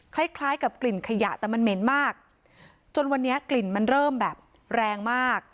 คล้ายคล้ายกับกลิ่นขยะแต่มันเหม็นมากจนวันนี้กลิ่นมันเริ่มแบบแรงมาก